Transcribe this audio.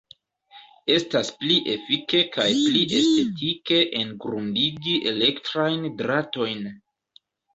Estas pli efike kaj pli estetike engrundigi elektrajn dratojn.